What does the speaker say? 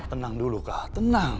tenang dulu kak tenang